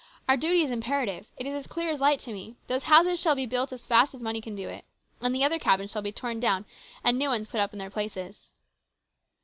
Our duty is imperative. It is as clear as light to me. Those houses shall be built as fast as money can do it. And the other cabins shall be torn down and new ones put up in their places."